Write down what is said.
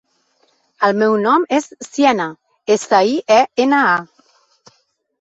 El meu nom és Siena: essa, i, e, ena, a.